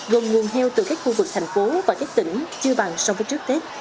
gồm nguồn heo từ khách khu vực thành phố và khách tỉnh chưa bằng so với trước tết